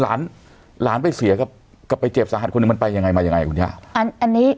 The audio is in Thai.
หลานไปเสียกับไปเจ็บสาหัสคนหนึ่งมันไปยังไงมายังไงครับขอหญ้า